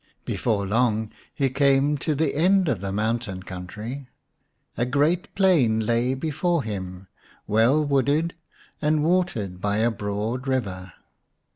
Before long he came to the end of the mountain country. A great plain lay before him, well wooded, and watered by a broad river.